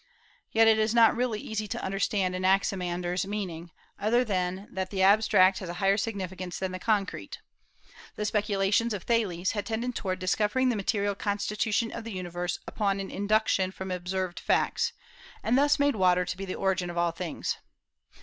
Yet it is not really easy to understand Anaximander's meaning, other than that the abstract has a higher significance than the concrete. The speculations of Thales had tended toward discovering the material constitution of the universe upon an induction from observed facts, and thus made water to be the origin of all things.